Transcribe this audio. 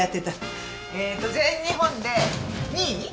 えと全日本で２位？